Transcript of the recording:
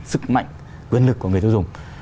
sức mạnh quyền lực của người tiêu dùng